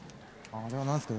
あれは何ですかね？